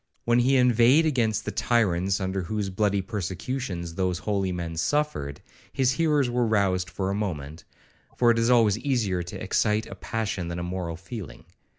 When he inveighed against the tyrants under whose bloody persecutions those holy men suffered, his hearers were roused for a moment, for it is always easier to excite a passion than a moral feeling.